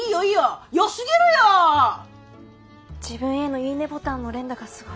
自分へのいいねボタンの連打がすごい。